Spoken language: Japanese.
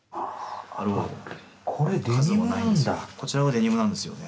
こちらはデニムなんですよね。